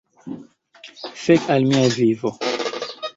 Fek al mia vivo!